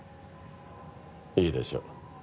いいでしょう。